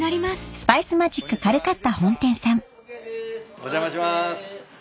お邪魔します。